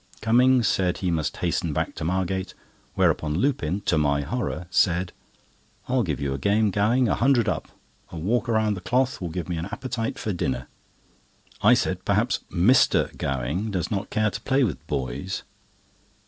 Cummings said he must hasten back to Margate; whereupon Lupin, to my horror, said: "I'll give you a game, Gowing—a hundred up. A walk round the cloth will give me an appetite for dinner." I said: "Perhaps Mister Gowing does not care to play with boys."